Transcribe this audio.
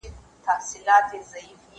زه بايد زده کړه وکړم!!